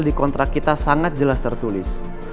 di kontrak kita sangat jelas tertulis